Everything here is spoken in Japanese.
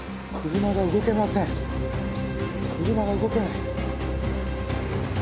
車が動けない。